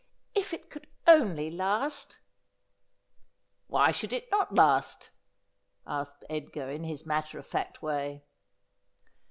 ' If it could only last !'' Why should it not last ?' asked Edgar, in his matter of fact way.